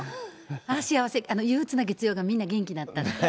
ああ幸せ、憂うつな月曜がみんな元気になった。